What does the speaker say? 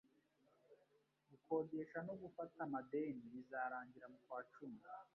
gukodesha no gufata amadeni bizarangira mu kwa cumi